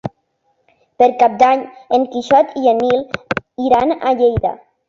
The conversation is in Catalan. Per Cap d'Any en Quixot i en Nil iran a Lleida.